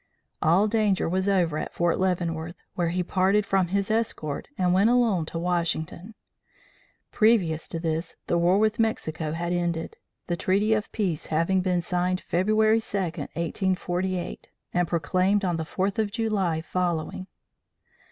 All danger was over at Fort Leavenworth, where he parted from his escort and went alone to Washington. Previous to this, the war with Mexico had ended, the treaty of peace having been signed February 2, 1848, and proclaimed on the 4th of July following.